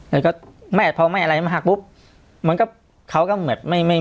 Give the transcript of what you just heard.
แต่ก็แม่เพราะแม่อะไรมาหักปุ๊บเหมือนกับเขาก็เหมือนแบบไม่ไม่